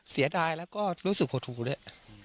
เสียดายแล้วก็รู้สึกหดหูด้วย